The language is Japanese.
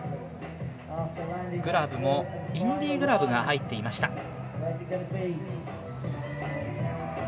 グラブもインディグラブが入っていました。